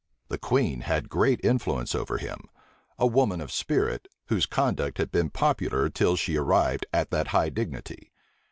The queen had great influence over him; a woman of spirit, whose conduct had been popular till she arrived at that high dignity.